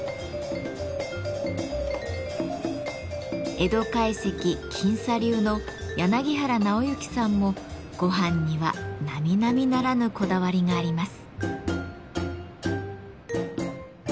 江戸懐石近茶流の柳原尚之さんも「ごはん」には並々ならぬこだわりがあります。